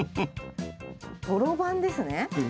そろばんですね。